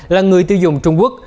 là người tiêu dùng trung quốc